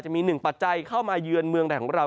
จะมี๑ปัจจัยเข้ามาเยือนเมืองของเรา